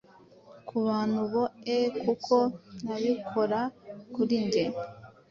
Kubantu boe kuki nabikora Kuri njye